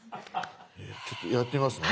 ちょっとやってみますね。